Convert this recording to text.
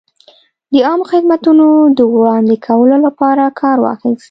د عامه خدمتونو د وړاندې کولو لپاره کار واخیست.